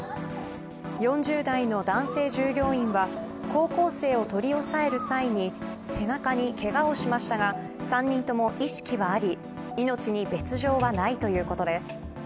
４０代の男性従業員は高校生を取り押さえる際に背中に、けがをしましたが３人とも意識はあり命に別条はないということです。